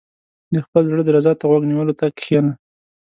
• د خپل زړۀ درزا ته غوږ نیولو ته کښېنه.